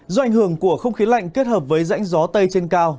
do ảnh hưởng của không khí lạnh kết hợp với rãnh gió tây trên cao